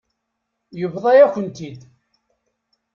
Yebḍa-yakent-t-id.